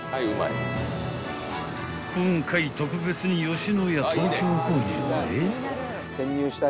［今回特別に野家東京工場へ］